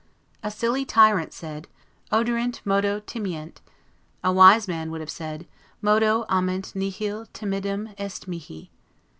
A silly tyrant said, 'oderint modo timeant'; a wise man would have said, 'modo ament nihil timendum est mihi'.